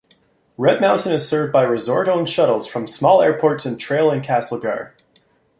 Red Mountain is served by resort-owned shuttles from small airports in Trail and Castlegar.